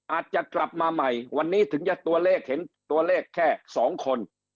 อาจจะกลับมาใหม่วันนี้ถึงจะตัวเลขเห็นตัวเลขแค่สองคน